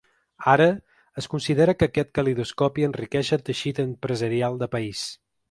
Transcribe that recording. Ara, es considera que aquest calidoscopi enriqueix el teixit empresarial de país.